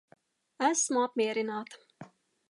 Esmu apmierināta.